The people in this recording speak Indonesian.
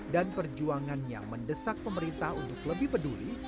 dan perjuangannya mendesak pemerintah untuk lebih peduli